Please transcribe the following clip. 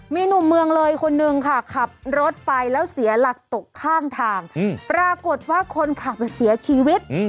มีหนุ่มเมืองเลยคนนึงค่ะขับรถไปแล้วเสียหลักตกข้างทางปรากฏว่าคนขับเสียชีวิต